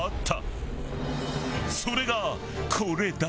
それがこれだ。